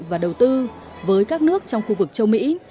và đầu tư với các nước trong khu vực châu mỹ